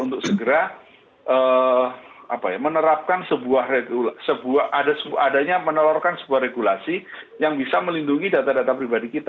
untuk segera menerapkan sebuah regulasi yang bisa melindungi data data pribadi kita